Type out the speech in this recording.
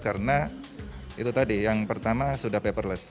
karena itu tadi yang pertama sudah paperless